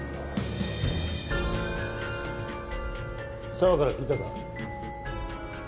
爽から聞いたか？